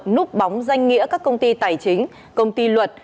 núp bóng danh nghĩa các công ty tài chính công ty luật